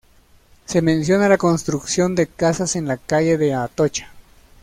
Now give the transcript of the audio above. Se menciona la construcción de casas en la calle de Atocha.